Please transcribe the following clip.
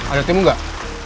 ada timu gak